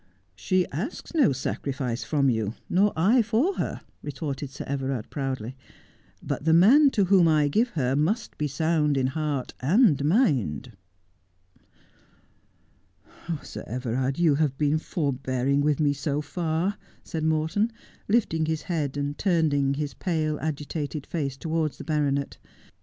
131 'She asks no sacrifice from yon, nor I for her,' retorted Sir Everard proudly. ' But the man to whom I give her must be sound in heart and mind.' ' Sir Everard, you have been forbearing with me so far,' said Morton, lifting his head, and turning his pale, agitated face towards the baronet.